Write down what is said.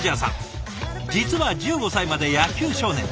実は１５歳まで野球少年。